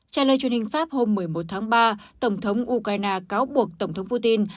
trả lời truyền hình pháp hôm một mươi một tháng ba tổng thống ukraine cáo buộc tổng thống putin